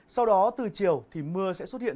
sau đó từ chiều thì mưa sẽ xuất hiện